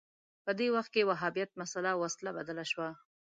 په دې وخت کې وهابیت مسأله وسله بدله شوه